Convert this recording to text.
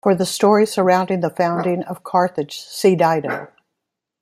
For the story surrounding the founding of Carthage, see Dido.